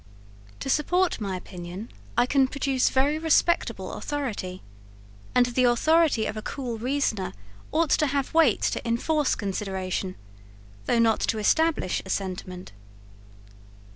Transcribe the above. To support my opinion I can produce very respectable authority; and the authority of a cool reasoner ought to have weight to enforce consideration, though not to establish a sentiment.